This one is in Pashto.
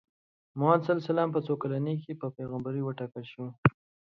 محمد ص په څو کلنۍ کې په پیغمبرۍ وټاکل شو؟